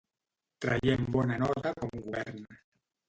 Traiem bona nota com govern.